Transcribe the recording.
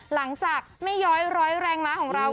หลังจากแม่ย้อยร้อยแรงม้าของเรา